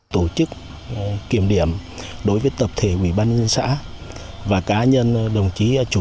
tổ chức kiểm điểm đối với tập thể ủy ban nhân dân xã và cá nhân đồng chí chủ tịch ủy ban nhân dân xã